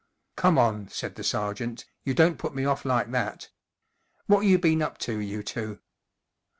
44 Come on," said the sergeant, 44 you don't put me off like that. What you been up to, you two